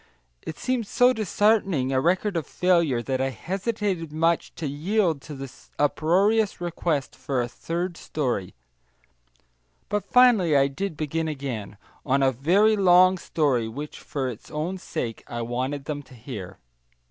It seemed so disheartening a record of failure that I hesitated much to yield to the uproarious request for a third story, but finally I did begin again, on a very long story which for its own sake I wanted them to hear.